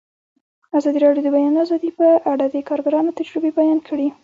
ازادي راډیو د د بیان آزادي په اړه د کارګرانو تجربې بیان کړي.